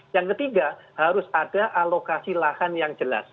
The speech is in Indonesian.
yang ketiga harus ada alokasi lahan yang jelas